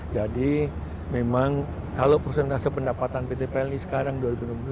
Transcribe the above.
jadi memang kalau persentase pendapatan pt pl ini sekarang dua in satu